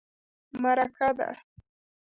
_مرکه ده.